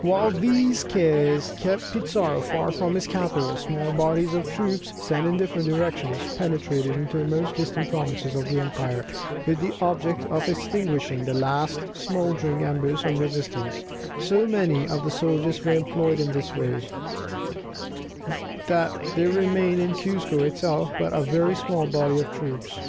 While these cares kept Pizarro far from his capital, small bodies of troops, sent in different directions, penetrated into the most distant provinces of the empire, with the object of extinguishing the last smouldering embers of resistance; so many of the soldiers were employed in this way, that there remained in Cuzco itself but a very small body of troops.